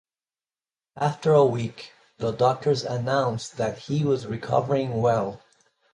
After a week, the doctors announced that he was recovering well.